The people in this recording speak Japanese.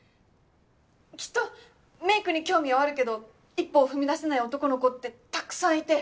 きっとメイクに興味はあるけど一歩を踏み出せない男の子ってたくさんいて。